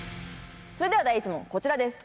それでは第１問こちらです。